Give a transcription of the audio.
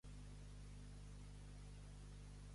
Paga i apel·la.